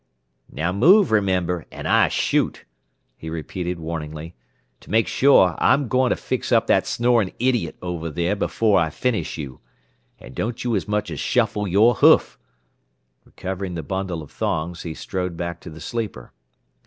"Now move, remember, an' I shoot," he repeated warningly. "To make sure, I'm going to fix up that snoring idiot over there before I finish you. An' don't you as much as shuffle your hoof!" Recovering the bundle of thongs, he strode back to the sleeper.